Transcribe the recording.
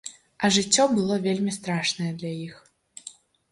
А жыццё было вельмі страшнае для іх.